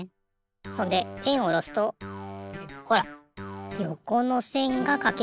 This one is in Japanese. そんでペンをおろすとほらよこのせんがかけるの。